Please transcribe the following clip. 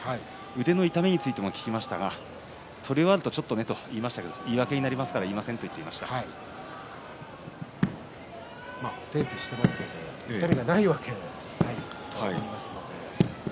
腕の痛みについても聞きましたが取り終わったあとちょっとねと言っていましたが言い訳になるのでテープをしていますから痛みがないわけはないと思います。